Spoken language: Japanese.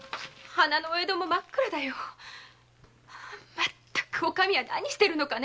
まったくお上は何してるのかね